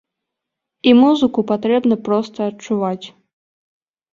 І музыку патрэбна проста адчуваць.